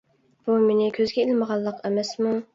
بۇ مېنى كۆزگە ئىلمىغانلىق ئەمەسمۇ!